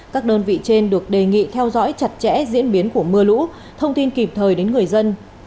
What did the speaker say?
các đơn vị trên được đề nghị theo dõi chặt chẽ diễn biến của mưa lũ thông tin kịp thời đến người dân